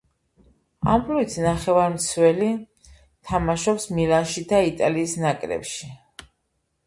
ამპლუით ნახევარმცველი, თამაშობს „მილანში“ და იტალიის ნაკრებში.